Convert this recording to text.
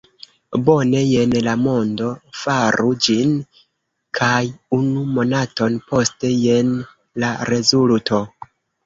"Bone, jen la mondo, faru ĝin!" kaj unu monaton poste, jen la rezulto!